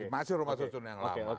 masih rumah susun yang lama